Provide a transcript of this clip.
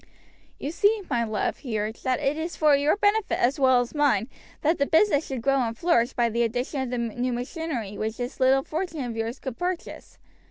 "You see, my love," he argued, "that it is for your benefit as well as mine that the business should grow and flourish by the addition of the new machinery which this little fortune of yours could purchase.